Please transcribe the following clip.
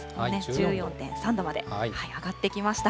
１４．３度まで上がってきました。